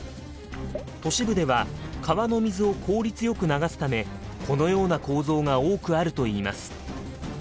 都市部では川の水を効率よく流すためこのような構造が多くあるといいます。